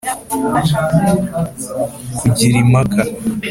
kugira impaka